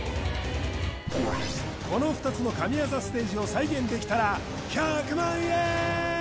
この２つの神業ステージを再現できたら１００万円！